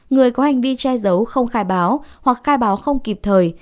người có hành vi che giấu không khai báo hoặc khai báo không kịp thời